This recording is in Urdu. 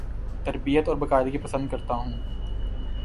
ترتیب اور باقاعدگی پسند کرتا ہوں